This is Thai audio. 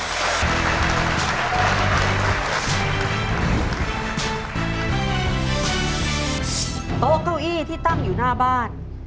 โต๊ะเก้าอี้ที่ตั้งอยู่หน้าบ้าน